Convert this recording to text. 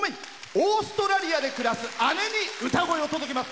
オーストラリアで暮らす姉に歌声を届けます。